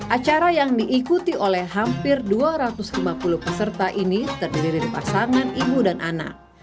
acara yang diikuti oleh hampir dua ratus lima puluh peserta ini terdiri dari pasangan ibu dan anak